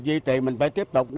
duy trì mình phải tiếp tục